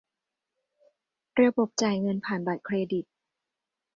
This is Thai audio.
ระบบจ่ายเงินผ่านบัตรเครดิต